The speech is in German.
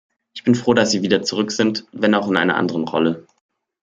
Ich bin froh, dass Sie wieder zurück sind, wenn auch in einer anderen Rolle.